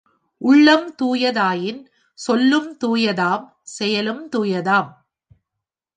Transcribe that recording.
உள்ளம் தூயதாயின், சொல்லும் தூயதாம், செயலும் துயதாம்.